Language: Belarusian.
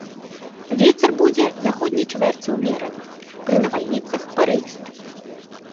Вецер будзе заходняй чвэрці ўмераны, пры навальніцах парывісты.